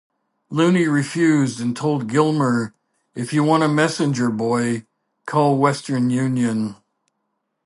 Looney refused and told Gilmer, If you want a messenger boy, call Western Union.